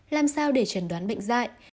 làm sao để trần đoán bệnh dại